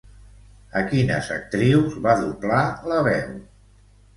A quines actrius va doblar la veu?